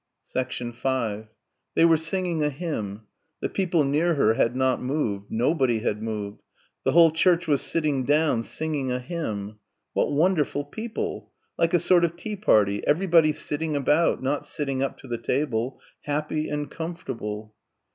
5 They were singing a hymn. The people near her had not moved. Nobody had moved. The whole church was sitting down, singing a hymn. What wonderful people.... Like a sort of tea party ... everybody sitting about not sitting up to the table ... happy and comfortable.